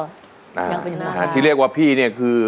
ยังเป็นภาพลาวะที่เรียกว่าพี่นี่คือ